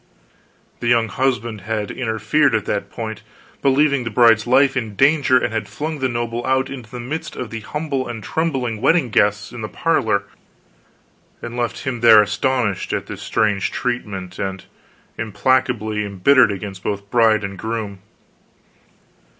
The young husband had interfered at that point, believing the bride's life in danger, and had flung the noble out into the midst of the humble and trembling wedding guests, in the parlor, and left him there astonished at this strange treatment, and implacably embittered against both bride and groom.